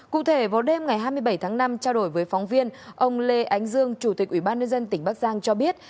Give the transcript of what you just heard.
cụ thể vào đêm ngày hai mươi bảy tháng năm trao đổi với phóng viên ông lê ánh dương chủ tịch ủy ban nhân dân tỉnh bắc giang cho biết